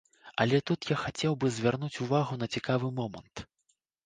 Але тут я хацеў бы звярнуць увагу на цікавы момант.